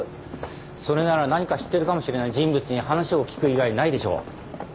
それなら何か知ってるかもしれない人物に話を聞く以外ないでしょう。